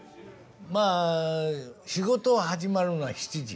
まあ仕事始まるのは７時。